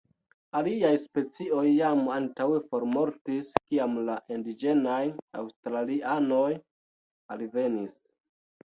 Aliaj specioj jam antaŭe formortis kiam la indiĝenaj aŭstralianoj alvenis.